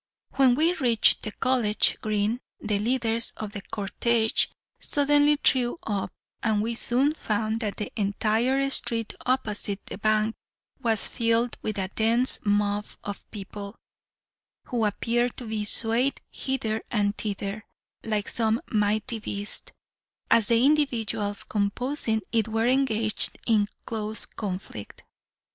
When we reached the College Green the leaders of the cortège suddenly drew up, and we soon found that the entire street opposite the Bank was filled with a dense mob of people, who appeared to be swayed hither and thither, like some mighty beast, as the individuals composing it were engaged in close conflict.